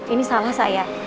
ini salah saya